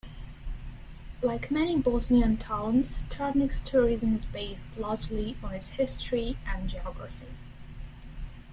Like many Bosnian towns, Travnik's tourism is based largely on its history and geography.